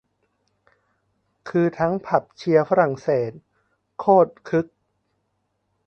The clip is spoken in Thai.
คือทั้งผับเชียร์ฝรั่งเศส โคตรคึก